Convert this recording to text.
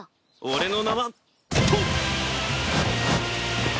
俺の名は。とうっ！